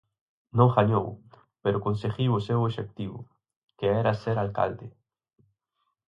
Non gañou, pero conseguiu o seu obxectivo, que era ser alcalde.